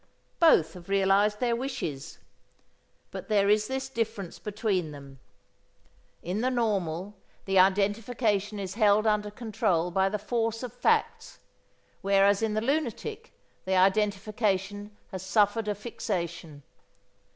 Both have realized their wishes. But there is this difference between them: In the normal the identification is held under control by the force of facts, whereas in the lunatic the identification has suffered a fixation.